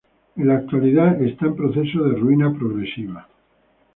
En la actualidad está en proceso de ruina progresiva.